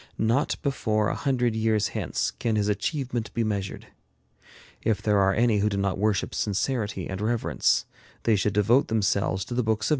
Not before a hundred years hence can his achievement be measured. If there are any who do not worship sincerity and reverence, they should devote themselves to the books of M.